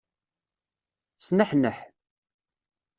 Sneḥneḥ.